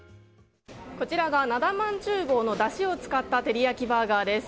こちらがなだ万厨房のだしを使ったテリヤキバーガーです。